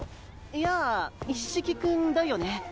やあ一色君だよね？